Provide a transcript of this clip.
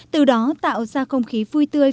từ đó tạo ra không khí vui tươi